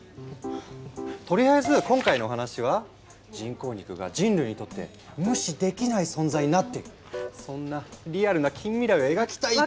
とりあえず今回のお話は人工肉が人類にとって無視できない存在になっているそんなリアルな近未来を描きたいっていう。